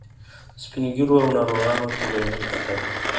سپین ږیرو او ناروغانو ته یې نه کتل.